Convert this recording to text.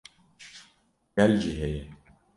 gel jî heye